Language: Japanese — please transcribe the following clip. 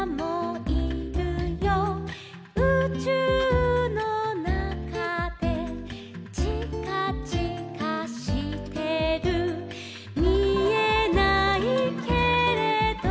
「うちゅうのなかで」「ちかちかしてる」「みえないけれど」